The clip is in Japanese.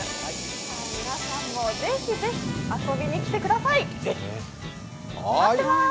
皆さんもぜひぜひ遊びに来てください。